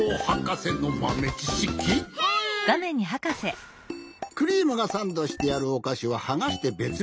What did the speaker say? クリームがサンドしてあるおかしははがしてべつべつにたべるのがすき！